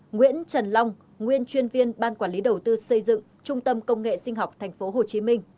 nguyễn trần long nguyên chuyên viên ban quản lý đầu tư xây dựng trung tâm công nghệ sinh học tp hcm